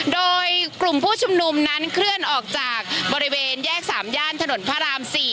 โดยกลุ่มผู้ชุมนุมนั้นเคลื่อนออกจากบริเวณแยก๓ย่านถนนพระราม๔